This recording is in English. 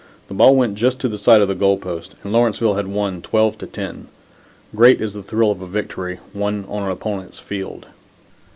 The ball went just to the side of the goal post, and Lawrenceville had won 12 to 10. Great is the thrill of a victory won on an opponent's field!